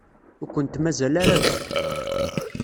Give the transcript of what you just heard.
Ur kent-mazal ara da.